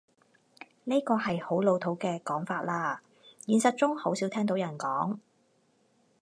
呢個係好老土嘅講法喇，現實中好少聽到人講